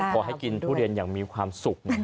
ขอให้กินทุเรียนอย่างมีความสุข